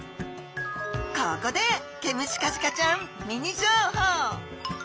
ここでケムシカジカちゃんミニ情報！